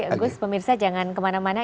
agus pemirsa jangan kemana mana